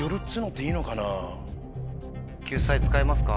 救済使いますか？